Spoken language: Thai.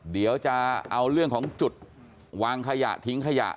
เดี๋ยวจะเอาเรื่องของจุดวางขยะทิ้งขยะ